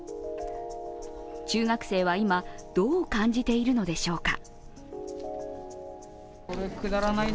中学生は今、どう感じているのでしょうか。